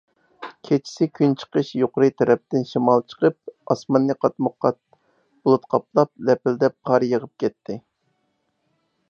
كېچىسى كۈنچىقىش يۇقىرى تەرەپتىن شامال چىقىپ، ئاسماننى قاتمۇقات بۇلۇت قاپلاپ، لەپىلدەپ قار يېغىپ كەتتى.